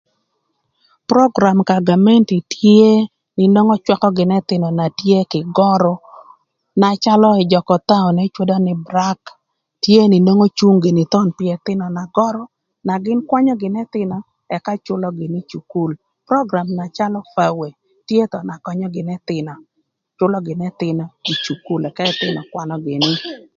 Program ka gamenti tye inwongo cwakö gïnï ëthïnö na tye gïnï kï görü na calö öjököthaü ni cwodo nï Brack tye nï nwongo cung gïnï thon pï ëthïnö na görü na gïn kwanyö gïnï ëthïnö ëka cülö gïnï ï cukul. Program na calö Pawe tye thon na könyö gïnï ëthïnö, cülö gïnï ëthïnö ï cukul ëka ëthïnö kwanö gïnï.